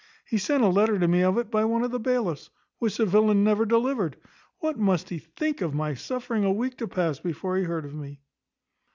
He sent a letter to me of it by one of the bailiffs, which the villain never delivered. What must he think of my suffering a week to pass before he heard of me?"